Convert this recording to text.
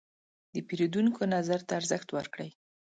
د پیرودونکو نظر ته ارزښت ورکړئ.